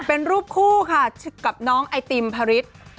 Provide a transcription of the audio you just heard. เป็นรูปคู่ค่ะกับน้องไอติมพระฤทธิ์